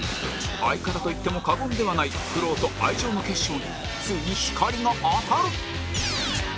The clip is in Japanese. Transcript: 相方と言っても過言ではない苦労と愛情の結晶についに光が当たる！